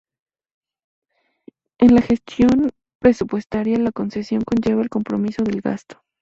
En la gestión presupuestaria la concesión conlleva el compromiso del gasto.